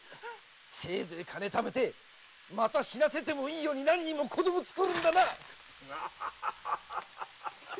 せいぜい金をためてまた死なせてもいいように何人も子どもをつくるんだな！〕